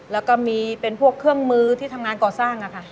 แล้วก็มีเป็นพวกเครื่องมือที่ทำงานก่อสร้างค่ะ